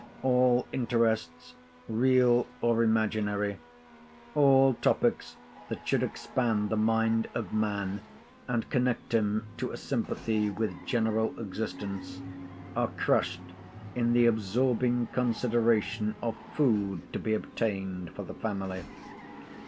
All interests, real or imaginary, all topics that should expand the mind of man, and connect him to a sympathy with general existence, are crushed in the absorbing consideration of food to be obtained for the family.